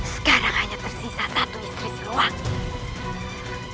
sekarang hanya tersisa satu istri ruang